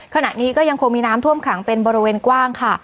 ขณะนี้ก็ยังคงมีน้ำท่วมขังเป็นบริเวณกว้างค่ะ